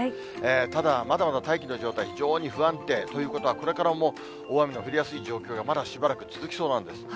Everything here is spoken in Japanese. ただ、まだまだ大気の状態、非常に不安定ということは、これからも、大雨の降りやすい状況がまだしばらく続きそうなんです。